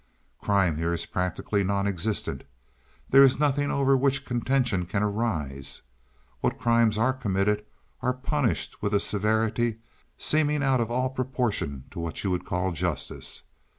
"Crime here is practically non existent; there is nothing over which contention can arise. What crimes are committed are punished with a severity seemingly out of all proportion to what you would call justice.